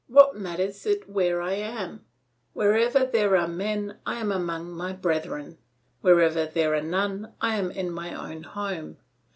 What matters it where I am? Wherever there are men, I am among my brethren; wherever there are none, I am in my own home.